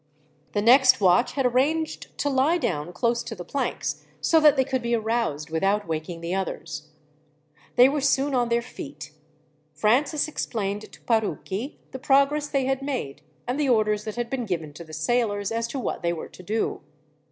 The next watch had arranged to lie down close to the planks, so that they could be aroused without waking the others. They were soon on their feet. Francis explained to Parucchi the progress they had made, and the orders that had been given to the sailors as to what they were to do.